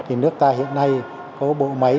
thì nước ta hiện nay có bộ máy